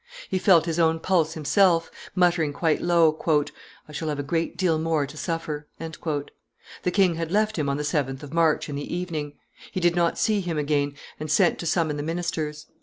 He felt his own pulse himself, muttering quite low, "I shall have a great deal more to suffer." The king had left him on the 7th of March, in the evening. He did not see him again and sent to summon the ministers.